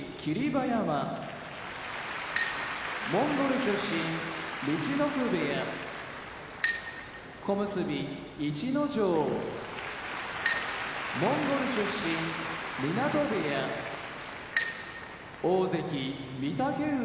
馬山モンゴル出身陸奥部屋小結・逸ノ城モンゴル出身湊部屋大関・御嶽海